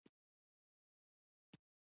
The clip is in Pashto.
موږ افغانان د نظر اختلاف ولې نه منو